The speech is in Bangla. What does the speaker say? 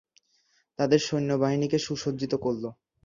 তাদের সৈন্যবাহিনীকে সুসজ্জিত করল।